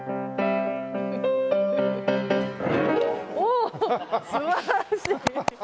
おお！素晴らしい。